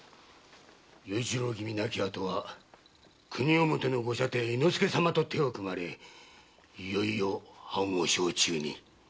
与一郎君亡きあとは国表のご舎弟・猪之助様と手を組まれいよいよ藩を掌中に。